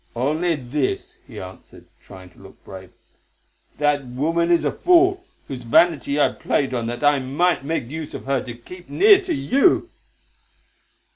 "Only this", he answered, trying to look brave, "that woman is a fool, whose vanity I played on that I might make use of her to keep near to you."